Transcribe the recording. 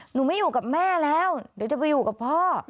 หนูไม่อยู่กับแม่แล้วเดี๋ยวจะไปอยู่กับพ่อ